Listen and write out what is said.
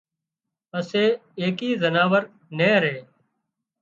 پسي ايڪئي زناور نين ري